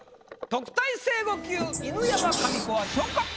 特待生５級犬山紙子は。